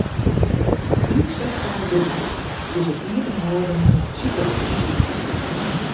Ynset fan it debat is it iepenhâlden fan it sikehûs.